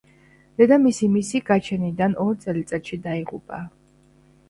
დედამისი მისი გაჩენიდან ორ წელიწადში დაიღუპა.